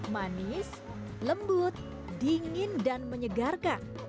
manis lembut dingin dan menyegarkan